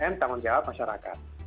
tiga m tanggung jawab masyarakat